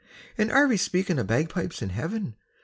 "And are ye speaking o' bagpipes in Heaven?